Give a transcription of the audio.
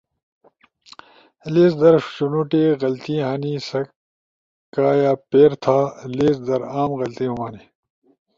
لیز در شُونوٹی غلطی ہنی سکایا پیر تھا۔ لیز در عام غلطی ہُم ہنی۔